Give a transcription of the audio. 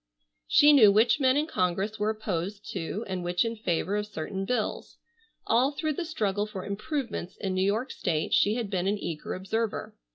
She knew which men in Congress were opposed to and which in favor of certain bills. All through the struggle for improvements in New York state she had been an eager observer.